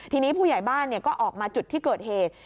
ทีนี้ผู้ใหญ่บ้านก็ออกมาจุดที่เกิดเหตุ